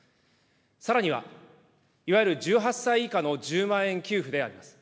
さらには、いわゆる１８歳以下の１０万円給付であります。